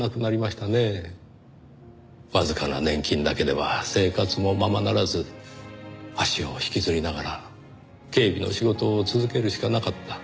わずかな年金だけでは生活もままならず足を引きずりながら警備の仕事を続けるしかなかった。